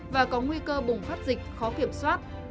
và có nguy cơ bùng phát dịch khó kiểm soát